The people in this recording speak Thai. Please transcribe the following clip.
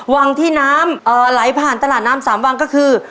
วังที่น้ำไหลผ่านตลาดน้ำสามวังก็คือ